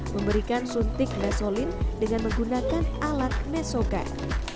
memberikan suntik mesolin dengan menggunakan alat mesogat